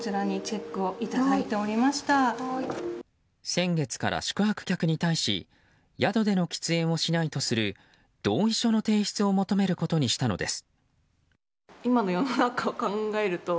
先月から宿泊者に対し宿での喫煙をしないとする同意書の提出を求めることにしたのです。